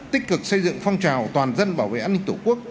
tích cực xây dựng phong trào toàn dân bảo vệ an ninh tổ quốc